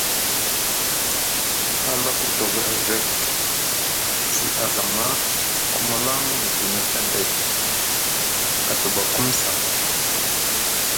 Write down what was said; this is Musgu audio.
Hala ku dogo evek zi azama ku mulaŋ midini hedek a duɓakum saa.